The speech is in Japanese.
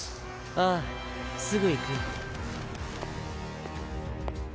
ああすぐ行くよ。